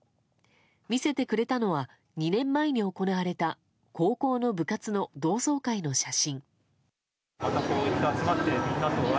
見せてくれたのは２年前に行われた高校の部活の同窓会の写真。